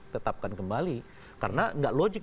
tetapkan kembali karena nggak logik